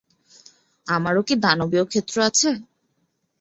আমারও কী দানবীয় ক্ষেত্র আছে?